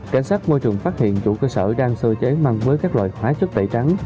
cảnh sát môi trường phát hiện chủ cơ sở đang sơ chế măng với các loại hóa chất tẩy trắng